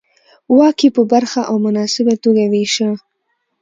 واک یې په پراخه او مناسبه توګه وېشه.